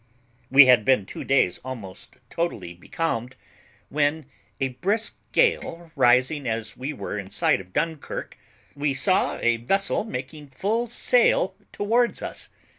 "We had been two days almost totally becalmed, when, a brisk gale rising as we were in sight in Dunkirk, we saw a vessel making full sail towards us.